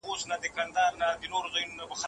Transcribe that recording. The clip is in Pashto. څنګه کولای سو د چاپیریال ساتني ته پاملرنه وکړو؟